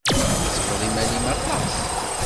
Tḥettbeḍ iman-im aṭas!